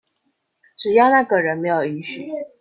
只要那個人沒有允許